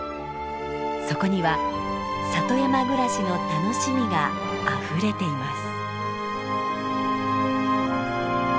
そこには里山暮らしの楽しみがあふれています。